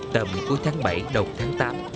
tầm cuối tháng bảy đầu tháng tám